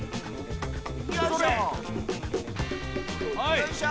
よいしょ！